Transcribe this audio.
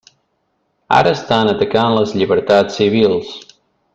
Ara estan atacant les llibertats civils.